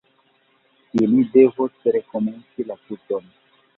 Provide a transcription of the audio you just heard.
Ili devos rekomenci la tuton.